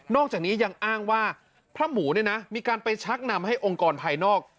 อกจากนี้ยังอ้างว่าพระหมูเนี่ยนะมีการไปชักนำให้องค์กรภายนอก